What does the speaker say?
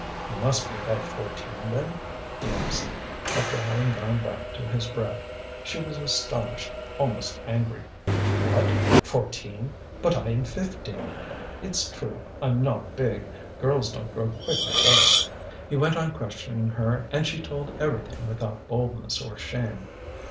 "You must be about fourteen then?" he asked, after having gone back to his bread. She was astonished, almost angry. "What? fourteen! But I am fifteen! It's true I'm not big. Girls don't grow quick with us." He went on questioning her and she told everything without boldness or shame.